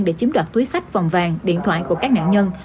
để chiếm đoạt túi sách vòng vàng điện thoại của các nạn nhân